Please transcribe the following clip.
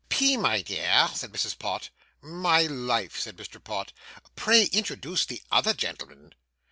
'P. my dear' said Mrs. Pott. 'My life,' said Mr. Pott. 'Pray introduce the other gentleman.